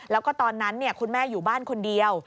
แล้วก็ตอนนั้นคุณแม่อยู่บ้านคนเดียว